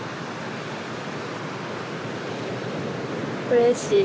うれしい。